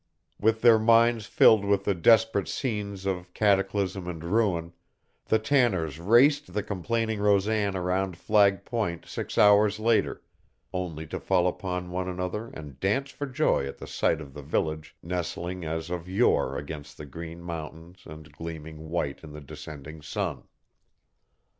With their minds filled with desperate scenes of cataclysm and ruin, the Tanners raced the complaining Rosan around Flag Point six hours later, only to fall upon one another and dance for joy at the sight of the village nestling as of yore against the green mountains and gleaming white in the descending sun.